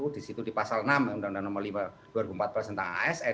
di situ di pasal enam undang undang nomor lima dua ribu empat belas tentang asn